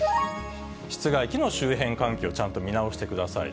室外機の周辺環境をちゃんと見直してください。